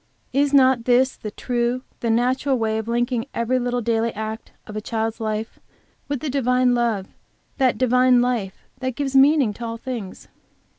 Is not this the true, the natural way of linking every little daily act of a child's life with that Divine Love, that Divine Life which gives meaning to all things?